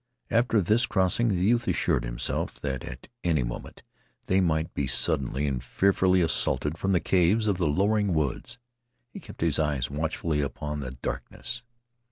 After this crossing the youth assured himself that at any moment they might be suddenly and fearfully assaulted from the caves of the lowering woods. He kept his eyes watchfully upon the darkness.